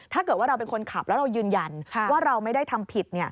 ถ้าเกิดว่าเราเป็นคนขับแล้วเรายืนยันว่าเราไม่ได้ทำผิด